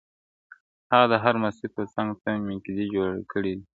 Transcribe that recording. o هغه د هر مسجد و څنگ ته ميکدې جوړي کړې.